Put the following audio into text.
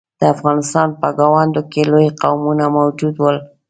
د افغانستان په ګاونډ کې لوی قومونه موجود ول.